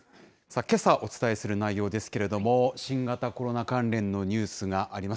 けさお伝えする内容ですけれども、新型コロナ関連のニュースがあります。